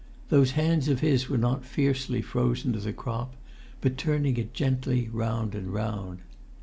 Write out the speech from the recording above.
Those hands of his were not fiercely frozen to the crop, but turning it gently round and round.